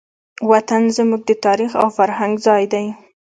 وطن زموږ د تاریخ او فرهنګ ځای دی.